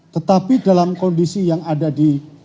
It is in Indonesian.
tetapi dalam kondisi yang ada di